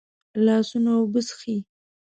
لاسونه اوبه څښي